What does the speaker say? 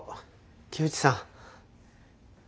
木内さん。